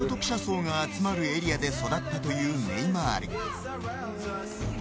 サンパウロの低所得者層が集まるエリアで育ったというネイマール。